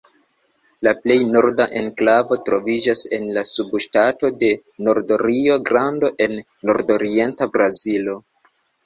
La plej norda enklavo troviĝas en la subŝtato de Norda Rio-Grando en nordorienta Brazilo.